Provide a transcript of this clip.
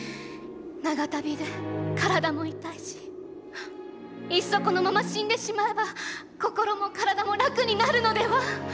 長旅で体も痛いしいっそこのまま死んでしまえば心も体も楽になるのでは！